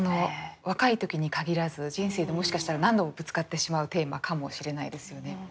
若い時に限らず人生でもしかしたら何度もぶつかってしまうテーマかもしれないですよね。